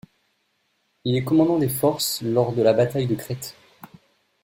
Il est commandant des forces lors de la Bataille de Crète.